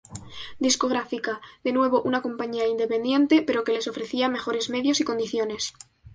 Discográfica; de nuevo una compañía independiente, pero que les ofrecía mejores medios y condiciones.